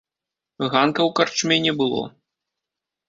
Ганка ў карчме не было.